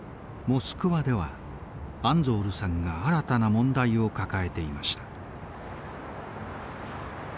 モスクワではアンゾールさんが新たな問題を抱えていました。